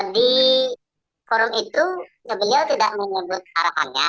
di forum itu beliau tidak menyebut arahannya